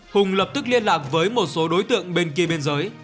hùng lập tức liên lạc với một số đối tượng bên kia biên giới